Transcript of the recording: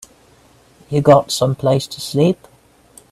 You got someplace to sleep?